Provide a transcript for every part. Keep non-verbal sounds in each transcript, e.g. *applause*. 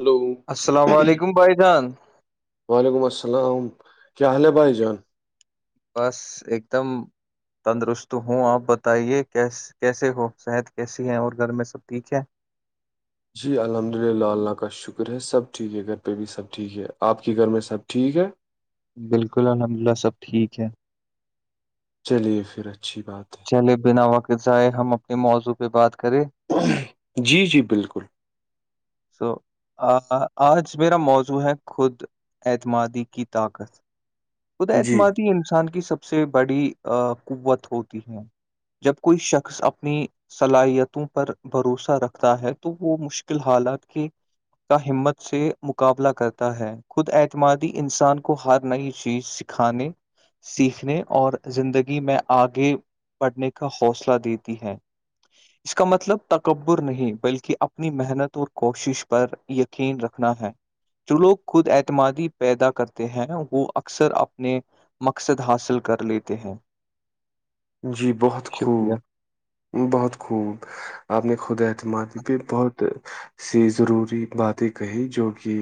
hello السلام علیکم بائی جان وعلیکم السلام کیا حال بھائی جان بس ایک دم تندرست ہوں آپ بتائیےس کیسے ہو صحت کیسی ہے اور گھر میں سب ٹھیک ہے جی الحمد للہ اللہ کا شکر ہے سب ٹھیک ہے گھر پہ بھی سب ٹھیک ہے آپ کے گھر میں سب ٹھیک ہے بالکل الحمد اللہ سب ٹھیک ہے چلیے پھر اچھی بات ہے چلے بنا وقع ائے ہم اپنے موضوع پہ بات کریں جی جی بالکل سو آج میرا موضوع ہے خود اعتمادی کی طاقت خدا جی اعتمادی انسان کی سب سب سے بڑی قوت ہوتی ہے جب کوئی شخص اپنی صلاحیتوں پر بھروسہ رکھتا ہے تو وہ مشکل حالات کی کا ہمت سے مقابلہ کرتا ہے خود اعتمادی انسان کو ہر نئی چیز سکھانے سیکھنے اور زندگی میں آگے بڑھنے کا حوصلہ دیتی ہے اس کا مطلب تکبر نہیں بلکہ اپنی محنت اور کوشش پر یقین رکھنا ہے جو لوگ خود اعتمادی پیدا کرتے ہیں وہ اکثر اپنے مقصد حاصل کر لیتے ہیں جی بہت شکریہ خوب بہت خوب آپ نے خود اعتماد بھی بہت سے ضروری باتیں کہیں جو کہ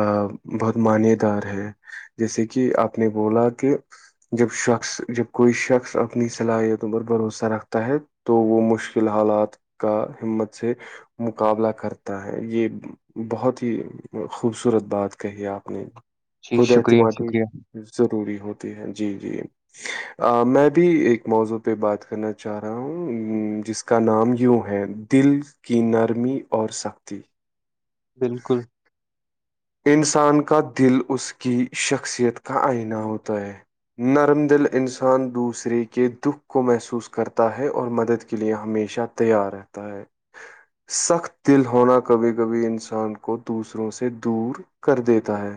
ا بہت مانے دار ہے جیسے کہ آپ نے بولا کہ جب شخص جب کوئی شخص اپنی صلاحیتوں پر بھروسہ رکھتا ہے تو وہ مشکل حالات کا ہمت سے مقابلہ کرتا ہے یہ بہت ہی خوبصورت بات کہی آپ نے جی خود شکریہ اعتمادی شکریہ ضروری ہوتی ہے جی جی میں ابھی ایک موضوع پہ بات کرنا چاہ رہا ہوں جس کا نام یوں ہے دل کی نرمی اور سختی بالکل انسان کا دل اس کی شخصیت کا آئینہ ہوتا ہے نرم دل انسان دوسرے کے دکھ کو محسوس کرتا ہے اور مدد کے لیے ہمیشہ تیار ہےتا *inaudible* سخت دل ہونا کبھی کبھی انسان کو دوسروں سے دور کر دیتا ہے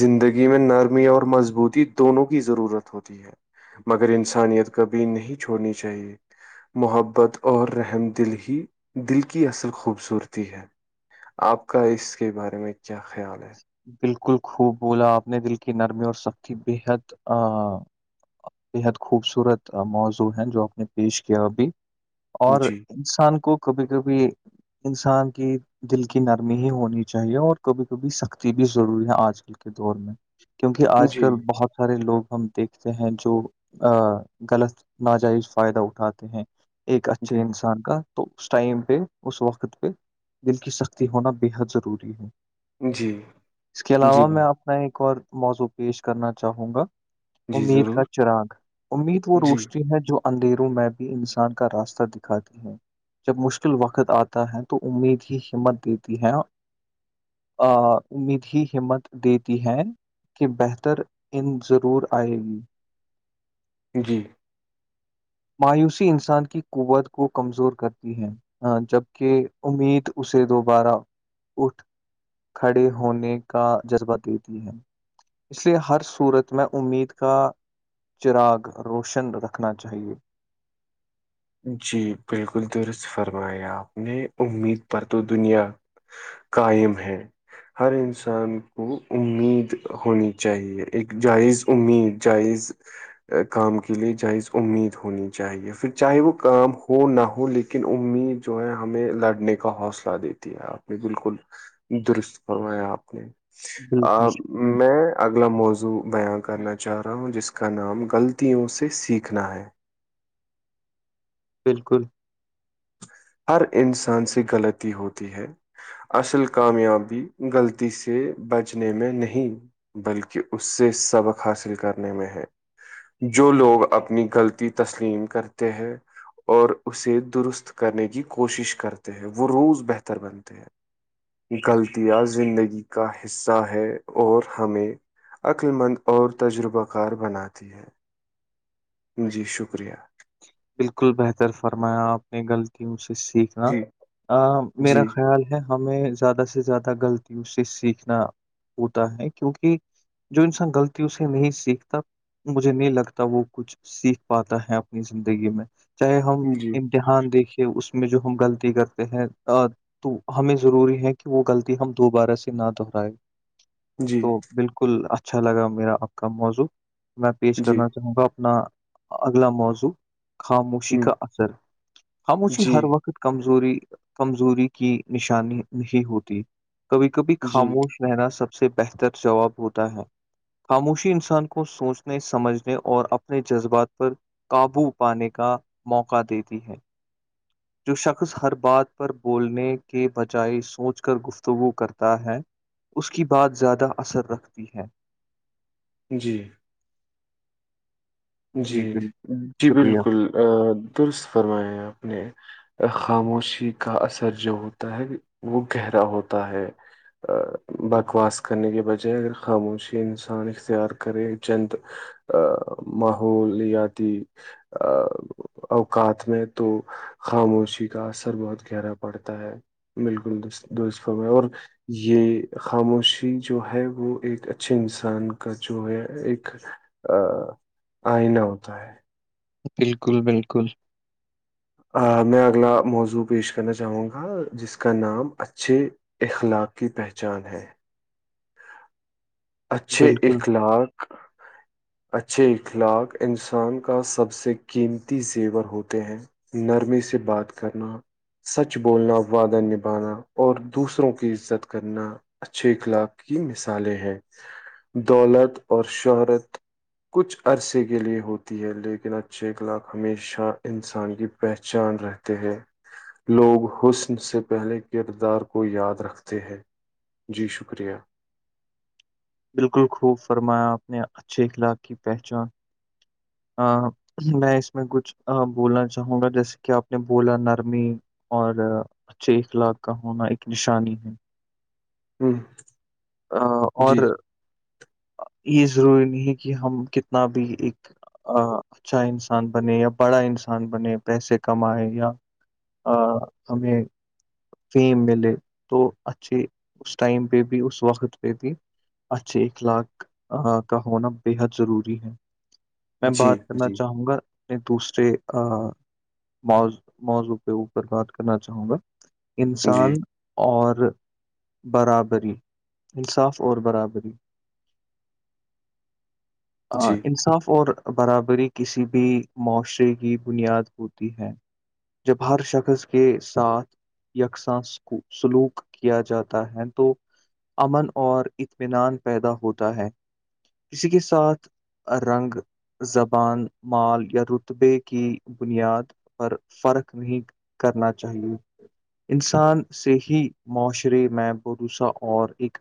زندگی میں نرمی اور مضبوطی دونوں کی ضرورت ہوتی ہے مگر انسانیت کبھی نہیں چھوڑنی چاہیے محبت اور رحم دل ہی دل کی اصل خوبصورتی ہے آپ کا اس کے بارے میں کیا خیال ہے بالکل خوب بولا آپ نے دل کی نرمی اور سختی بےحد بےحد خوبصورت موضوع ہے جو آپ نے پیش کیا ابھی اور جی انسان کو کبھی کبھی انسان کی دل کی نرمی ہی ہونی چاہیے اور کبھی بھی سختی بھی ضروری ہے آج کل کے دور میں کیونکہ آج جی کل بہت سارے لوگ ہم دیکھ ہیں جو غلط ناجائز فائدہ اٹھاتے ہیں ایک اچھے جی انسان کا تو اس ٹائم پہ اس وقت پہ دل کی سختی ہونا بے حد ضروری ہے جی اس کے جی علاوہ ب میں اپنا ایک اور موضوع پیش کرنا چاہوں گا جی امید کا ضرور چراگ امید وہ جی روشنی ہے جو اندھیروں میں بھی انسان کا راستہ دکھاتی ہے جب مشکل وقت آتا ہے تو امید ہی ہمت دیتی ہے ا امید ہی ہمت دیتی ہے کہ بہتر ان ضرور آئے گی جی مایوسی انسان کی قوت کو کمزور کرتی ہے ہاں جبکہ امید اسے دوبارہ اٹھ کھڑے ہونے کا جذبہ دیتی ہے اس لیے ہر صورت میں امید کا چراغ روشن رکھنا چاہیے جی بالکل درست فرمایا آپ نے امید پر تو دنیا قائم ہے ہر انسان کو امید ہونی چاہیے ایک جائز امید جائز کام کے لیے جائز امید ہونی چاہیے پھر چاہے وہ کام ہو نہ ہو لیکن امید جو ہے ہمیں لڑنے کا حوصلہ دیتی ہے آپ نے بالکل درست فرمایا آپ نے بالکل شکریہ میں اگلا موضوع بیاں کرنا چاہ رہا ہوں جس کا نام غلطیوں سے سیکھنا ہے بالکل ہر انسان سے غلطی ہوتی ہے اصل کامیابی غلطی سے بچنے میں نہیں بلکہ اس سے سبق حاصل کرنے میں ہے جو لوگ اپنی غلطی تسلیم کرتے ہیں اور اسے درست کرنے کی کوشش کرتے ہیں وہ روز بہتر بنتے ہیں غلطیاں زندگی کا حصہ ہے اور ہمیں عقللمند اور تجربہ کار بناتی ہے جی شکریہ بالکل بہتر فرمایا آپ نے غلطیوں سے سیکھنا جی جی میرا خیال ہے ہمیں زیادہ سے زیادہ غلطیوں سے سیکھنا ہوتا ہے کیونکہ جو انسان غلطیوں سے نہیں سیکھتا مجھے نہیں لگتا وہ کچھ سیکھ پاتا ہے اپنی زندگی میں چاہے ہم جی ج ہان دیکھیے اس میں جو ہم غلطی کرتے ہیں تو ہمیں ضروری ہے کہ وہ غلطی ہم دوبارہ سے نہ دہرائے جی تو بالکل اچھا لگا میرا آپ کا موضوع میں پیش جی کرنا چاہوں گا اپنا اگلا موضوع خاموشی ہ کا اثر خاموشی جی ہر وقت کمزوری کمزوری کی نشانی نہیں ہوتی کبھی کبھی جی خاموش لا سب سے بہتر جواب ہوتا ہے خاموشی انسان کو سوچنے سمجھنے اور اپنے جذبات پر قابو پانے کا موقع دیتی ہے جو شخص ہر بات پر بولنے کے بجائے سوچ کر گفتگو کرتا ہے اس کی بات زیادہ اثر رکھتی ہے جی جی جی شکریہ بالکل درست فرمایا آپ نے خاموشی کا اثر جو ہوتا ہے وہ گہرا ہوتا ہے بکواس کرنے کے بجائے اگر خاموشی انسان اختیار کرے چند ا ماحولیاتی ا اوقات میں تو خاموشی کا اثر بہت گہرا پڑتا ہے بالکل درست فرمایا اور یہ خاموشی جو ہے وہ ایک اچھے انسان کا جو ہے ایک ا آئینہ ہوتا ہے بالکل بالکل میں اگلا موضوع پیش کرنا چاہوں گا جس کا نام اچھے اخلاق کی پہچان ہے اچھے بالکل اخلاق *inaudible* اچھے اخلاق انسان کا سب سے قیمتی زیور ہوتے ہیں نرمیے سے بات کرنا سچ بولنا ودہ نبھانا اور دوسروں کی عزت کرنا اچھے اخلاق کی مثالیں ہیں دولت اور شہرت کچھ عرصے کے لیے ہوتی ہے لیکن اچھے اخلاق ہمیشہ انسان کی پہچان رہتی ہیں لوگ حسن سے پہلے کردار کو یاد رکھتے ہیں جی شکریہ بالکل خوب فرمایا اپ نے اچھے اخلاق کی پہچان میں اس میں کچھ بولنا چاہوں گا جیسے کہ آپ نے بولا نرمی اور اچھے اخلاق کا ہونا ایک نشانی ہے ہاں ا اور یہ ضروری نہیں ہے کہ ہم کتنا بھی ایک اچھا انسان بنے یا بڑا انسان بنے پیسے کمائے یا آ ہمیں فیم ملے تو اچھے اس ٹائم پہ بھی اس وقت پہ بھی اچھے اخلاق کا ہونا بےحد ضروری ہے میں جی بات کرنا جی چاہوں گا میں دوسرےمضوع مضوع کے اوپر بات کرنا چاہوں گا جی انسان اور برابری انصاف اور برابری جی انصاف اور برابری کسی بھی معاشرے کی بنیاد ہوتی ہے جب ہر شخص کے ساتھ یکساں سکو سلوک کیا جاتا ہے تو امن اور اطمینان پیدا ہوتا ہے کسی کے ساتھ رنگ زبان مال یا رتبے کی بنیاد پر فرق نہیں کرنا چاہیے انسان سے ہی معاشرے میں بھروسا اور ایک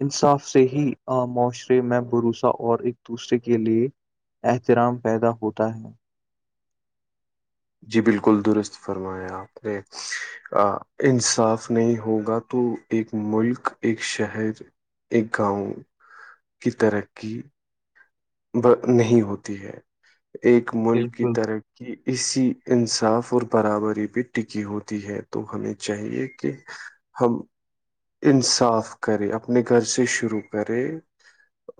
انصاف سے ہی معاشرے میں بھروسا اور ایک دوسرے کے لیے احترام پیدا ہوتا ہے جی بالکل درست فرمایا آپ نے انصاف نہیں ہوگا تو ایک ملک ایک شہر ایک گاؤں کی ترقی نہیں ہوتی ہے ایک ملک کی بالکل طرقی کہ اسی انصاف اور برابری پہ ٹکی ہوتی ہے تو ہمیں چاہیے کہ ہم انصاف کرے اپنے گھر سے شروع کرے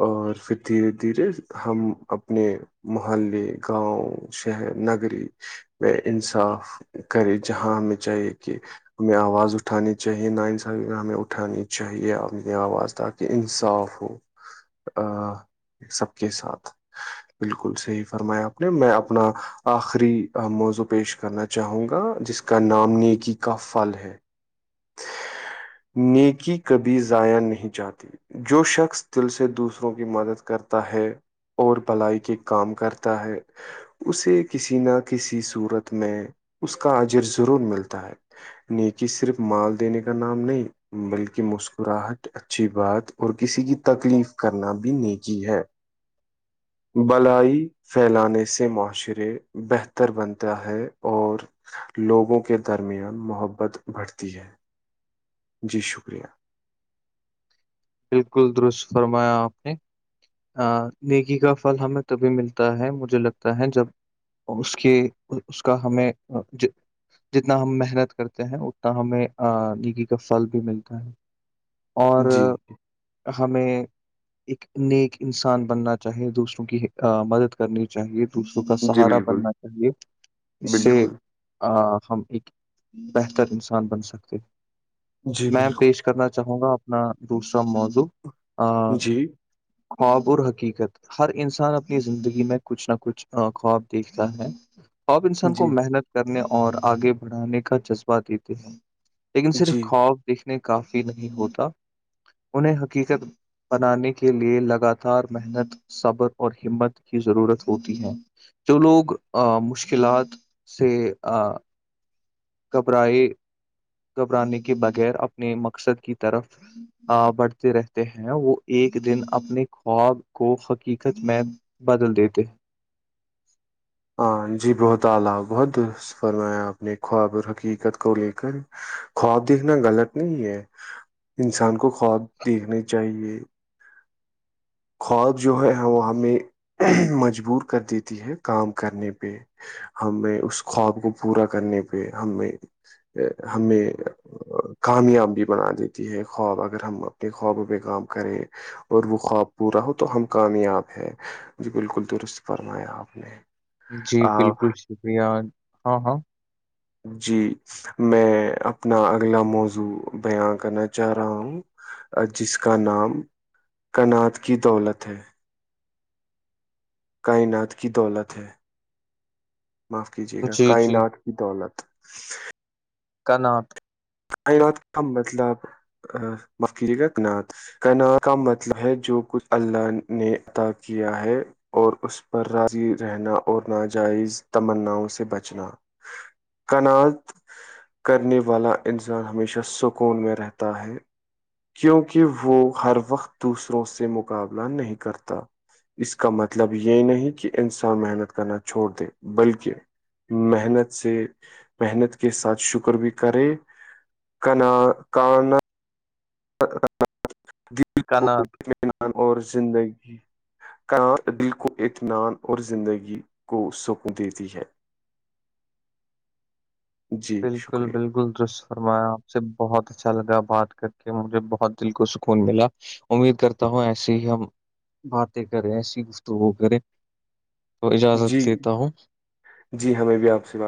اور پھر دھیرے دھیرے ہم اپنے محللے گاؤں شہر نگری میں انصاف کرے جہاں ہمیں چاہیے کہ ہمیں آواز اٹھانی چاہے ن انس ہمیں اٹھانی چاہیےنی آواز تاکہ انصاف ہو سب کے ساتھ *inaudible* بالکل صحی فرمایا آپ نے میں اپنا آخری موزو پیش کرنا چاہوں گا جس کا نام نیکی کا فل ہے نیکی کبھی ضائع نہیں چاہتی جو شخص دل سے دوسروں کی مدد کرتا ہے اور بلائی کے کام کرتا ہے اسے کسی نہ کسی صورت میں اس کا اجر ضرور ملتا ہے نیک صرف مال دینے کا نام نہیں بلکہ مسکراہٹ اچھی بات اور کسی کی تکلیف کرنا بھی ن کی ہے بلائی پھیلانے سے معاشرے بہتر بنتا ہے اور لوگوں کے درمیان محبت بڑھتی ہے جی شکریہ بالکل درست فرمایا آپ نے ا نگی کا پھل ہمیں تبھی ملتا ہے مجھے لگتا ہے جب اس کے اس کا ہمیں جتنا ہم محنت کرتے ہیں اتنا ہمیں نگی کا فھل بھی ملتا ہے اور جی ہمیں ایک نیک انسان بننا چاہیے دوسروں کی مدد کرنی چاہیے دوسروں کا جی سہارا بالکل بننا چاہیے اس سے بالکل آ ہم ایک بہتر انسان بن سکتے جی میم بالکل پیش کرنا چاہوں گا اپنا دوسرا موضوع جی خواب اور حقیقت ہر انسان اپنی زندگی میں کچھ نہ کچھ خواب دیکھتا ہے آپ انسان کو جی محنت کرنے اور آگے بڑھانے کا جذبہ دیتے ہیں لیکن صرف جی خوف دیکھنے کافی نہیں ہوتا انہیں حقیقت بنانے کے لیے لگاتار محنت صبر اور ہمت کی ضرورت ہوتی ہے جو لوگ مشکلات سے آ کبرا یہ گھبرانے کے بغیر اپنے مقصد کی طرف بڑھتے رہتے ہیں وہ ایک دن اپنے خواب کو حقیقت میں بدل دیتے ہاں جی بہت اعلی بہت فرمایا اپ نے خواب اور حقیقت کو لے کر خواب دیکھنا غلط نہیں ہے انسان کو خواب دیکھنے چاہیے خواب جو ہے وہ ہمیں مجبور کر دیتی ہے کام کرنے پہ ہمیں اس خواب کو پورا کرنے پہ ہمیں ہمیں کامیاب بھی بنا دیتی ہے خواب اگر ہم اپنے خوابوں پہ کام کریں اور وہ خواب پورا ہو تو ہم کامیاب ہے جی بالکل درست فرمایا آپ نے جی آ، بالکل شکریہ ہاں ہاں جی میں اپنا اگلا موضوع بیان کرنا چاہ رہا ہوں جس کا نام کنات کی دولت ہے کائنات کی دولت ہے معاف کیجیے گا جی جی کائنات کی دولت کرناٹک کائنات کا مطلب بکریقتنا کنا کا مطلب ہے جو کچھ اللہ نے عطا کیا ہے اور اس پر راضی رہنا اور ناجائز تمناؤں سے بچنا کناعات کرنے والا انسان ہمیشہ سکون میں رہتا ہے کیونکہ وہ ہر وقت دوسروں سے مقابلہ نہیں کرتا اس کا مطلب یہ نہیں کہ انسان محنت کرنا چھوڑ دے بلکہ محنت سے محنت کے ساتھ شکر بھی کرے کنا کان د کو کنات اطمینان اور زندگی کا دل کو اطمان اور زندگی کو سکون دیتی ہے جی بالکل شکریہ بالکل دس اور میں آپ سے بہت اچھا لگا بات کر کے مجھے بہت دل کو سکون ملا امید کرتا ہوں ایسے ہی ہم باتیں کریں ایسی گفتگو کریں تو جی اجازت لیتا ہوں جی ہمیں بھی آپ سے بات